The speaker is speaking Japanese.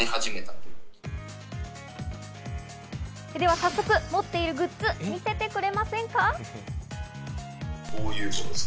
早速持っているグッズ、見せてくれませんか？